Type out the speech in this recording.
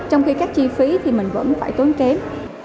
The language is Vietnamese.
trong khi các chi phí thì mình vẫn phải tốn kém